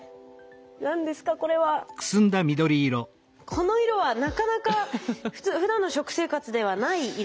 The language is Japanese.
この色はなかなかふだんの食生活ではない色みですね。